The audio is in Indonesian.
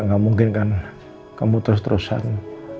nggak mungkin kan kamu terus terusan